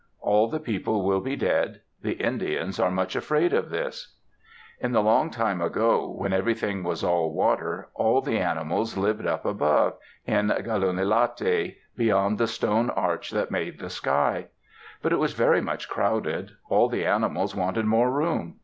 All the people will be dead. The Indians are much afraid of this. In the long time ago, when everything was all water, all the animals lived up above in Galun'lati, beyond the stone arch that made the sky. But it was very much crowded. All the animals wanted more room.